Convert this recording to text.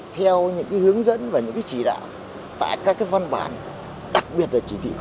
theo những hướng dẫn và những chỉ đạo tại các văn bản đặc biệt là chỉ thị